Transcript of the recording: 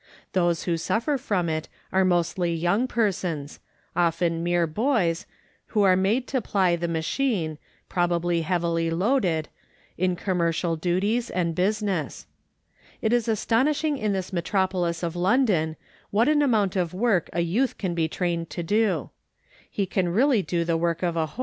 Those who suffer from it are mostly young persons, often mere boys, who are made to ply the machine, prob ably heavily loaded, in commercial duties and business. It is astonishing in this metropolis of London what an amount of work a youth can be trained to do. He can really do the work of a WHAT TO AVOID IN CYCLING.